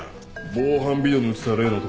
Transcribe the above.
防犯ビデオに映ってた例の男。